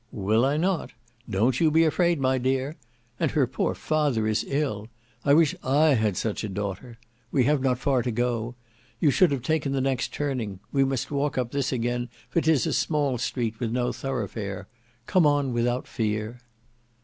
"Will I not? Don't you be afraid my dear. And her poor father is ill! I wish I had such a daughter! We have not far to go. You should have taken the next turning. We must walk up this again for 'tis a small street with no thoroughfare. Come on without fear."